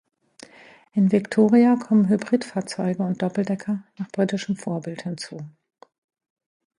In Victoria kommen Hybridfahrzeuge und Doppeldecker nach britischem Vorbild hinzu.